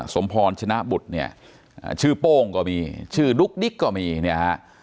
สมพรชนะบุตรเนี่ยชื่อโป้งก็มีชื่อดุ๊กดิ๊กก็มีเนี่ยฮะ